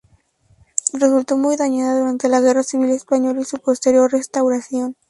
Resultó muy dañada durante la Guerra Civil Española y su posterior restauración.